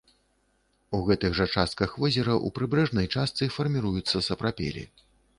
У гэтых жа частках возера ў прыбярэжнай частцы фарміруюцца сапрапелі.